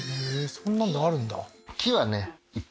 そんなんであるんだ